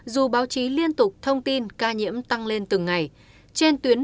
dù báo chí liên tục thông tin ca nhiễm tăng lên từng ngày